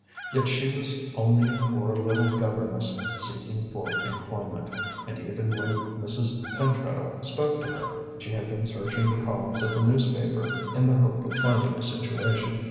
Yet she was only a poor little governess seeking for employment, and even when Mrs. Pentreddle spoke to her, she had been searching the columns of the newspaper in the hope of finding a situation.